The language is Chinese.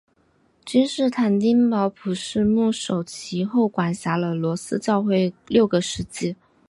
君士坦丁堡普世牧首其后管辖了罗斯教会六个世纪。